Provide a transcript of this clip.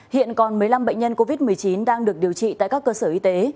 hiện còn một mươi năm bệnh nhân covid một mươi chín đang được điều trị tại các cơ sở y tế